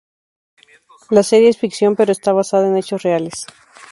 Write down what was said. La serie es ficción, pero está basada en hechos reales.